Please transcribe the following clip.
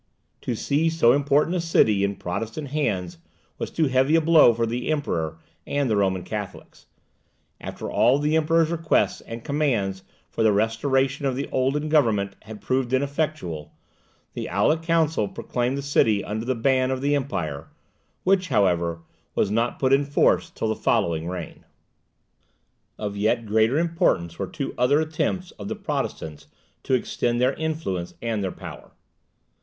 To see so important a city in Protestant hands was too heavy a blow for the Emperor and the Roman Catholics. After all the Emperor's requests and commands for the restoration of the olden government had proved ineffectual, the Aulic Council proclaimed the city under the ban of the Empire, which, however, was not put in force till the following reign. Of yet greater importance were two other attempts of the Protestants to extend their influence and their power.